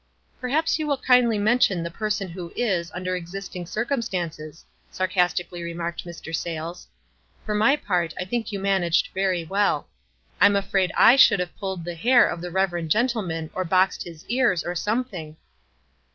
"Perhaps you will kindly mention the person who is, under existing circumstances,'*' sarcas tically remarked Mr. Sayles. "For my part, I think you managed very well. I'm afraid I should have pulled the hair of the reverend gen tleman, or boxed his ears, or something."